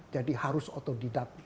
jadi harus otodidak